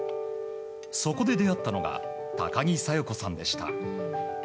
そこで出会ったのが高木佐代子さんでした。